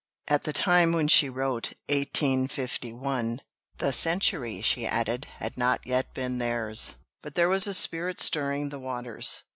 '" At the time when she wrote (1851), the century, she added, had not yet been theirs. But there was a spirit stirring the waters.